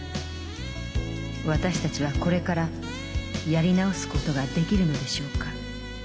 私たちはこれからやり直すことができるのでしょうか。